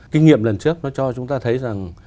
kinh nghiệm lần trước nó cho chúng ta thấy rằng